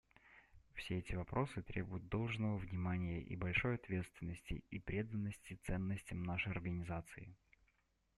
Все эти вопросы требуют должного внимания и большой ответственности и преданности ценностям нашей Организации.